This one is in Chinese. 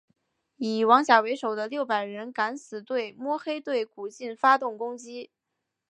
以王甲为首的六百人敢死队摸黑对古晋发动攻击。